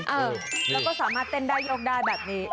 เออแล้วก็สามารถเต้นได้โยกได้แบบนี้